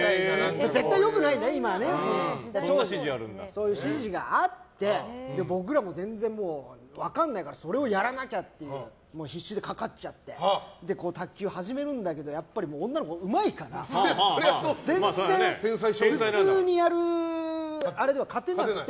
絶対良くないよ、今はね。そういう指示があって僕らも全然、分からないからそれをやらなきゃって必死にかかっちゃって卓球始めるんだけどやっぱり女の子うまいから全然普通にやるあれでは勝てなくて。